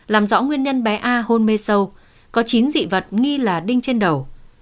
làm rõ nguyên nhân bé a hôn mê sâu có chín dị vật nghi là đinh trên đầu